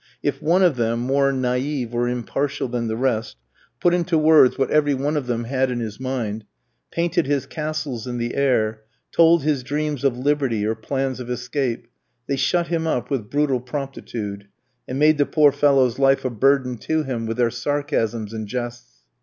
If one of them, more naïve or impartial than the rest, put into words what every one of them had in his mind, painted his castles in the air, told his dreams of liberty, or plans of escape, they shut him up with brutal promptitude, and made the poor fellow's life a burden to him with their sarcasms and jests.